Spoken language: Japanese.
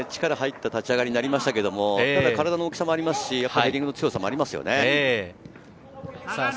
力が入った立ち上がりになりましたけれど、体の大きさもありますし、ヘディングの強さもありますよね。